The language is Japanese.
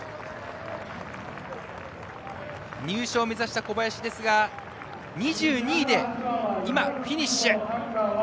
入賞を目指した小林ですが２２位でフィニッシュ。